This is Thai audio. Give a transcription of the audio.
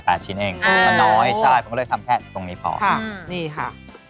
ชิ้นเองมันน้อยใช่ผมก็เลยทำแค่ตรงนี้พอครับนี่ค่ะ